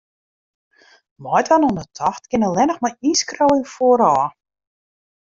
Meidwaan oan 'e tocht kin allinnich nei ynskriuwing foarôf.